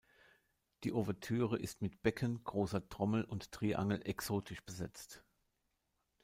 Die Ouvertüre ist mit Becken, großer Trommel und Triangel „exotisch“ besetzt.